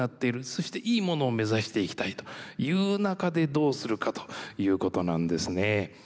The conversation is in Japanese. そしていいものを目指していきたいという中でどうするかということなんですね。